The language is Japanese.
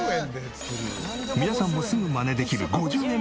皆さんもすぐマネできる５０円